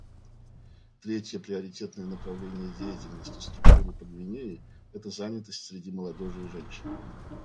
Третье приоритетное направление деятельности Структуры по Гвинее — это занятость среди молодежи и женщин.